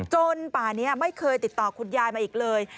ป่านี้ไม่เคยติดต่อคุณยายมาอีกเลย